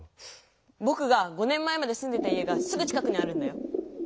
ぼくが５年前まですんでた家がすぐ近くにあるんだよ。